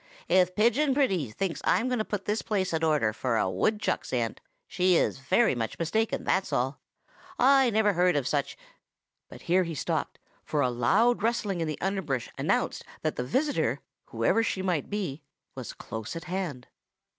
"If Pigeon Pretty thinks I am going to put this place in order for a woodchuck's aunt, she is very much mistaken, that's all. I never heard of such—" But here he stopped, for a loud rustling in the underbrush announced that the visitor, whoever she might be, was close at hand.